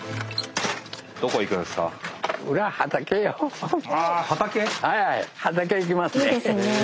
どこ行くんですか？